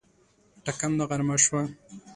ټکنده غرمه شومه